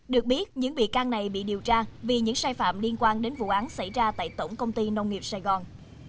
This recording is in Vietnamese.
được biết những bị can này bị điều tra vì những sai phạm liên quan đến vụ án xảy ra tại tổng công ty nông nghiệp sài gòn